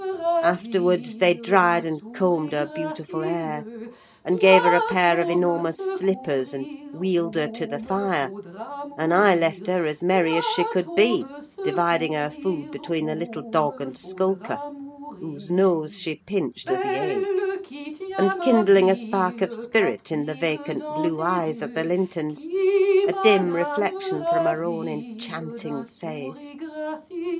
Afterwards, they dried and combed her beautiful hair, and gave her a pair of enormous slippers, and wheeled her to the fire; and I left her, as merry as she could be, dividing her food between the little dog and Skulker, whose nose she pinched as he ate; and kindling a spark of spirit in the vacant blue eyes of the Lintons—a dim reflection from her own enchanting face.